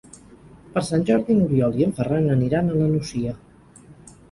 Per Sant Jordi n'Oriol i en Ferran aniran a la Nucia.